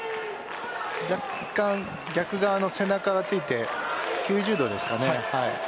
若干、逆側の背中がついて９０度ですかね。